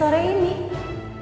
aku mau pergi ke mama